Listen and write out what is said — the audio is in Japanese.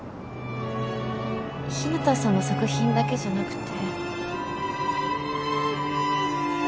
日向さんの作品だけじゃなくて